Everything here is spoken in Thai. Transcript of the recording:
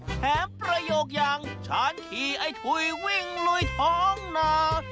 ประโยคอย่างฉันขี่ไอ้ถุยวิ่งลุยท้องนา